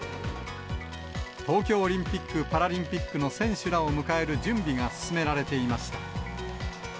東京オリンピック・パラリンピックの選手らを迎える準備が進められていました。